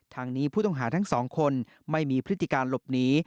ทางนี้ผู้ต้องหาทั้งสองคนไม่มีพฤติการหลบหนี